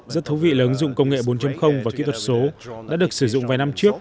rất thú vị là ứng dụng công nghệ bốn và kỹ thuật số đã được sử dụng vài năm trước